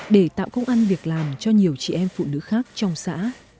để tạo công ăn việc làm cho nhiều chị em phụ nữ khác trong xã